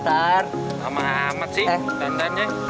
lama amat sih dandannya